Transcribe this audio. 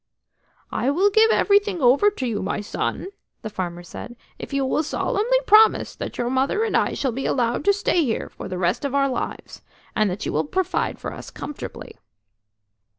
"I will give everything over to you, my son," the farmer said, "if you will solemnly promise that your mother and I shall be allowed to stay here for the rest of our lives, and that you will provide for us comfortably."